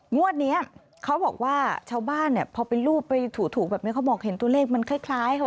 งวดนี้เขาบอกว่าชาวบ้านเนี่ยพอไปรูปไปถูกแบบนี้เขาบอกเห็นตัวเลขมันคล้ายเขา